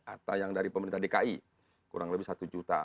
atau yang dari pemerintah dki kurang lebih satu juta